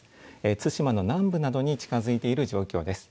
対馬の南部などに近づいている状況です。